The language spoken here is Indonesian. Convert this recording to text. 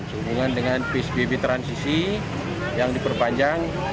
sehubungan dengan psbb transisi yang diperpanjang